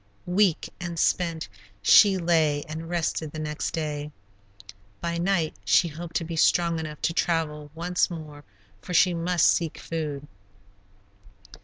Weak and spent she lay and rested the next day. By night she hoped to be strong enough to travel once more, for she must seek food.